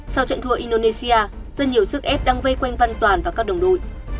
sau trận thua indonesia rất nhiều sức ép đang vây quanh văn toàn và các đồng đội